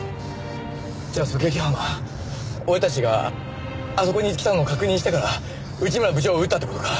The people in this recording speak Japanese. じゃあ狙撃犯は俺たちがあそこに来たのを確認してから内村部長を撃ったって事か？